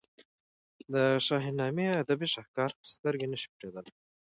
د شاهنامې ادبي شهکار سترګې نه شي پټېدلای.